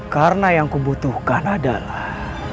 karena yang kubutuhkan adalah